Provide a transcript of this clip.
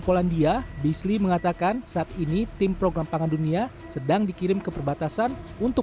polandia bisli mengatakan saat ini tim program pangan dunia sedang dikirim ke perbatasan untuk